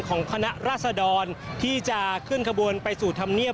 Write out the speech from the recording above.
ของคณะราษดรที่จะขึ้นขบวนไปสู่ธรรมเนียบ